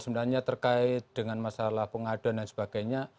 sebenarnya terkait dengan masalah pengaduan dan sebagainya